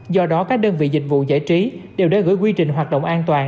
do đó các đơn vị dịch vụ giải trí đều đã gửi quy trình hoạt động an toàn